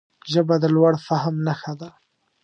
ژبه د لوړ فهم نښه ده